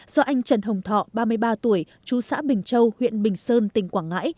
do anh trần hồng thọ ba mươi ba tuổi chú xã bình châu huyện bình sơn tỉnh quảng ngãi